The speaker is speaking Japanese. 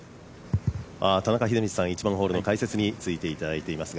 田中秀道さん、１番ホールの解説についていただいています。